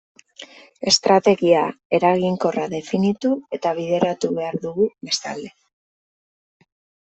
Estrategia eraginkorra definitu eta bideratu behar dugu bestalde.